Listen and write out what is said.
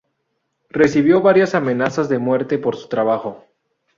Recibió varias amenazas de muerte por su trabajo.